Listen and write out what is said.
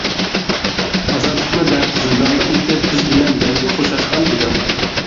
ئازادلىقنى دەپ زىنداندا يېتىپ بىز بىلەن مەڭگۈ خوشلاشقان ئىدىڭ.